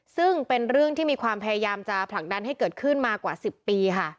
ซึ่งเป็นเรื่องที่มีความพยายามจะผลักดันให้เกิดขึ้นมากว่า๑๐ปีค่ะ